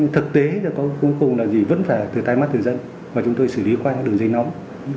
thực tế là có khung khung là gì vẫn phải từ tay mắt từ dân và chúng tôi xử lý qua những đường dây nóng